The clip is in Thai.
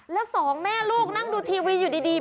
แล้วสองแม่ลูกนั่งดูทีวีอยู่ดี